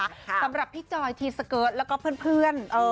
สำหรับพี่จอยทีสเกิร์ตแล้วก็เพื่อน